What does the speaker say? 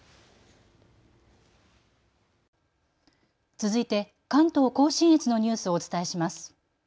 続いて関東甲信越のニュースをお伝えします。